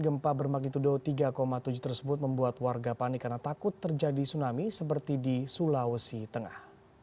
gempa bermagnitudo tiga tujuh tersebut membuat warga panik karena takut terjadi tsunami seperti di sulawesi tengah